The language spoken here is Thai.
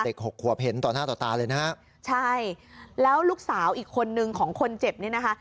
หกขวบเห็นต่อหน้าต่อตาเลยนะฮะใช่แล้วลูกสาวอีกคนนึงของคนเจ็บนี่นะคะ